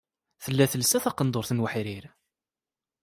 Tella telsa taqendurt n weḥrir.